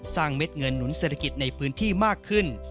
เม็ดเงินหนุนเศรษฐกิจในพื้นที่มากขึ้น